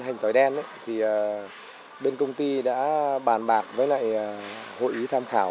hành tỏi đen thì bên công ty đã bàn bạc với lại hội ý tham khảo